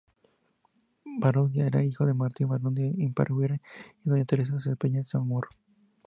Barrundia era hijo de Martín Barrundia Iparraguirre y doña Teresa Cepeda Chamorro.